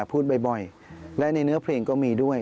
พูดบ่อยและในเนื้อเพลงก็มีด้วย